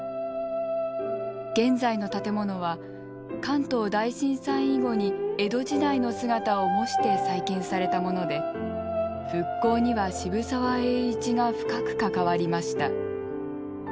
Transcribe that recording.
現在の建物は関東大震災以後に江戸時代の姿を模して再建されたもので復興には渋沢栄一が深く関わりました。